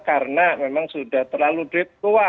karena memang sudah terlalu tua